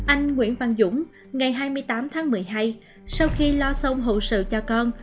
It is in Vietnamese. anh nguyễn văn dũng ngày hai mươi tám tháng một mươi hai sau khi lo xong hậu sự cho con